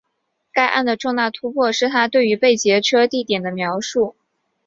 该案的重大突破是她对于被劫车地点的描述。